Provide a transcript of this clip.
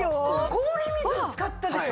氷水使ったでしょ？